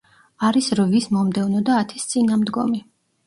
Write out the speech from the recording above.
არის რვის მომდევნო და ათის წინამდგომი.